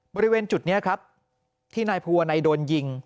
บริเวณจุดนี้ครับที่นายภูวนัยโดนยิง